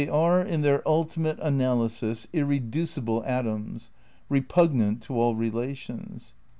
They axe, in their ultimate analysis, irre ducible atoms, repugnant to all relations.